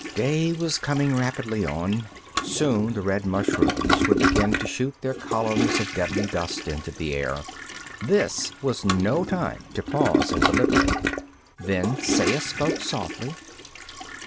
Day was coming rapidly on. Soon the red mushrooms would begin to shoot their columns of deadly dust into the air. This was no time to pause and deliberate. Then Saya spoke softly.